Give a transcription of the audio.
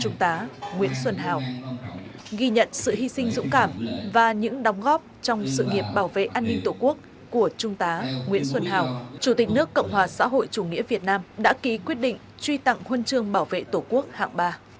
trung tá nguyễn xuân hào ghi nhận sự hy sinh dũng cảm và những đóng góp trong sự nghiệp bảo vệ an ninh tổ quốc của trung tá nguyễn xuân hào chủ tịch nước cộng hòa xã hội chủ nghĩa việt nam đã ký quyết định truy tặng huân chương bảo vệ tổ quốc hạng ba